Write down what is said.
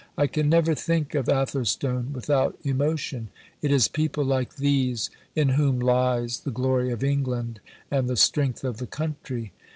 I can never think of Atherstone without emotion; it is people like these in whom lies the glory of England and the strength of the country.